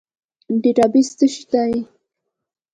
ډیټابیس څه شی دی؟